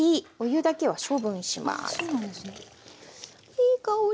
いい香り。